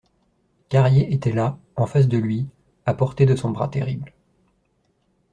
Carrier était là, en face de lui, à portée de son bras terrible.